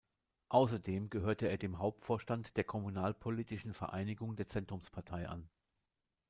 Außerdem gehörte er dem Hauptvorstand der kommunalpolitischen Vereinigung der Zentrumspartei an.